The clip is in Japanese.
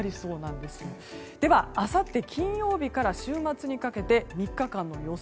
では、あさって金曜日から週末にかけて３日間の予想